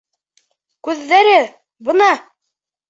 Күҙҙәре -бына!